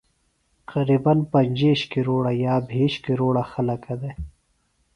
قرِباً پنجِیش کورہ یا بھیش کورہ خلَکہ دےۡ